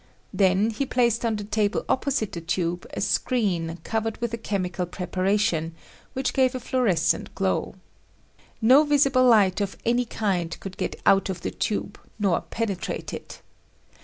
Then he placed on the table opposite the tube a screen covered with a chemical preparation which gave a fluorescent glow. No visible light of any kind could get out of the tube nor penetrate it.